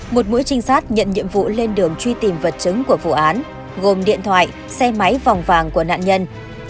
một mũi trinh sát nhận nhiệm vụ lên đường truy tìm vật chứng của vụ án gồm điện thoại xe máy vòng vàng của nạn nhân